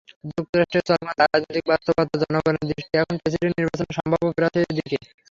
যুক্তরাষ্ট্রে চলমান রাজনৈতিক বাস্তবতায় জনগণের দৃষ্টি এখন প্রেসিডেন্ট নির্বাচনের সম্ভাব্য প্রার্থীদের দিকে।